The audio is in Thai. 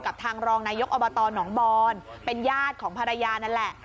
ทางรองนายกอบตหนองบอนเป็นญาติของภรรยานั่นแหละ